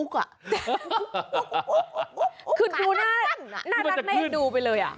คือดูหน้านั้นไม่ได้ดูไปเลย